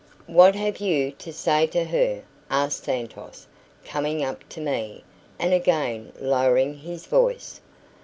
"What have you to say to her?" asked Santos, coming up to me, and again lowering his voice.